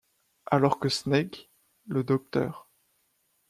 Alors que Snake, le Dr.